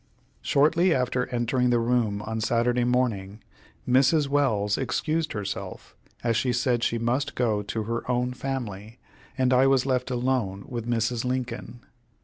Shortly after entering the room on Saturday morning, Mrs. Welles excused herself, as she said she must go to her own family, and I was left alone with Mrs. Lincoln.